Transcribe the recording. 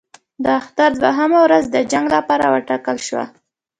د اختر دوهمه ورځ د جنګ لپاره وټاکل شوه.